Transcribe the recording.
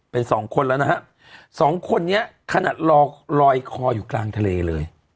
เป็นสองคนแล้วนะฮะสองคนนี้ขนาดรอลอยคออยู่กลางทะเลเลย